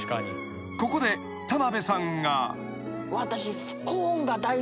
［ここで田辺さんが］私。